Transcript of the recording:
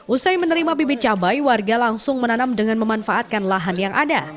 usai menerima bibit cabai warga langsung menanam dengan memanfaatkan lahan yang ada